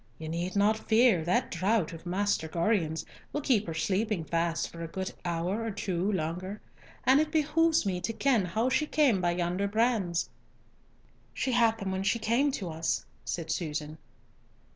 Ye need not fear, that draught of Maister Gorion's will keep her sleeping fast for a good hour or two longer, and it behoves me to ken how she cam by yonder brands." "She had them when she came to us," said Susan.